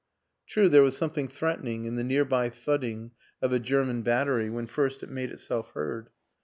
True there was something threatening in the near by thudding of a German battery when first it made itself heard.